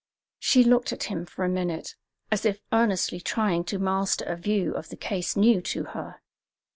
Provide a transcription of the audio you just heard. She looked at him for a minute, as if earnestly trying to master a view of the case new to her.